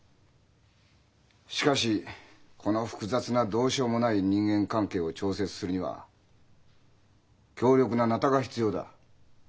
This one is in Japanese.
しかしこの複雑などうしようもない人間関係を調節するには強力なナタが必要だ。